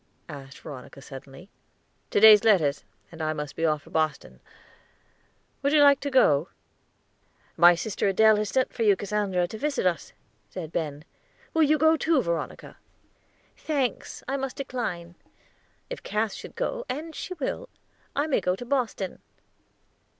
asked Veronica suddenly. "To day's letters, and I must be off for Boston; would you like to go?" "My sister Adelaide has sent for you, Cassandra, to visit us," said Ben, "and will you go too, Veronica?" "Thanks, I must decline. If Cass should go and she will I may go to Boston."